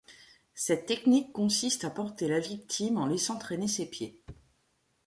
Cette technique consiste à porter la victime en laissant traîner ses pieds.